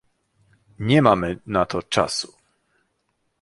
Nie mamy na to czasu